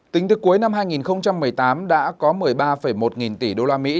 tính từ cuối năm hai nghìn một mươi tám đã có một mươi ba một nghìn tỷ usd